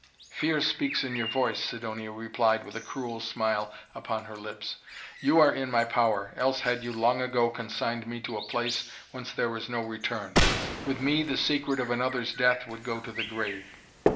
"Fear speaks in your voice," Sidonia replied with a cruel smile upon her lips. "You are in my power, else had you long ago consigned me to a place whence there is no return. With me the secret of another's death would go to the grave."